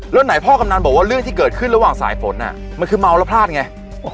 แล้วไหนพ่อกำนันบอกว่าเรื่องที่เกิดขึ้นระหว่างสายฝนมันคือเมาแล้วพลาดไง